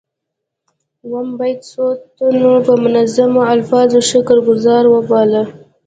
اووم بیت څو تنو په منظومو الفاظو شکر ګذاري وباله.